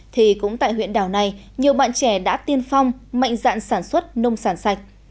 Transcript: thì cũng tại huyện đảo này nhiều bạn trẻ đã tiên phong mạnh dạng sản xuất nông sản sạch